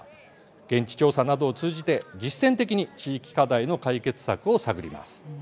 現地調査などを通じて実践的に地域課題の解決策を探ります。